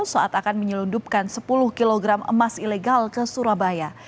saat akan menyelundupkan sepuluh kg emas ilegal ke surabaya